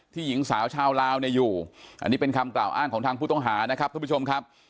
หญิงสาวชาวลาวเนี่ยอยู่อันนี้เป็นคำกล่าวอ้างของทางผู้ต้องหานะครับทุกผู้ชมครับ